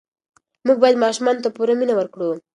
موږ باید ماشومانو ته پوره مینه ورکړو.